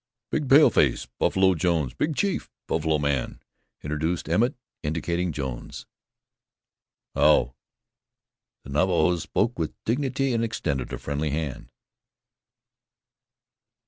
"Big paleface Buffalo Jones big chief buffalo man," introduced Emmett, indicating Jones. "How." The Navajo spoke with dignity, and extended a friendly hand.